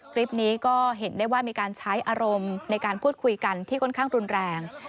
คลิปนี้ก็เห็นได้ว่ามีการใช้อารมณ์ในการพูดคุยกันที่ค่อนข้างรุนแรง